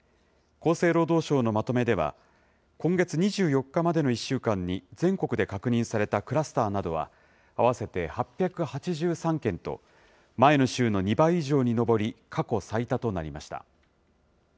厚生労働省のまとめでは、今月２４日までの１週間に全国で確認されたクラスターなどは、合わせて８８３件と、前の週の２倍以上に上り、過去最多となりました。